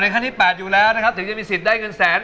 ขั้นที่๘อยู่แล้วนะครับถึงจะมีสิทธิ์ได้เงินแสน